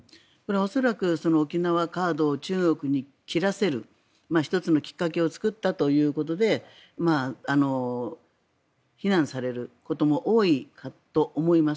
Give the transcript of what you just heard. これは恐らく沖縄カードを中国に切らせる１つのきっかけを作ったということで非難されることも多いと思います。